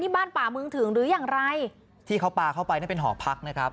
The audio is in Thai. บ้านป่ามึงถึงหรืออย่างไรที่เขาป่าเข้าไปนั่นเป็นหอพักนะครับ